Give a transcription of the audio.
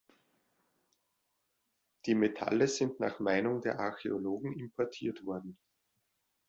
Die Metalle sind nach Meinung der Archäologen importiert worden.